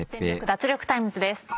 脱力タイムズ』です。